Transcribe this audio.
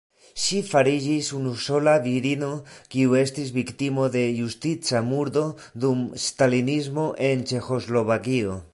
Ŝi fariĝis unusola virino, kiu estis viktimo de justica murdo dum stalinismo en Ĉeĥoslovakio.